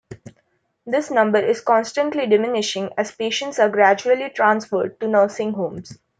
This number is constantly diminishing as patients are gradually transferred to nursing homes.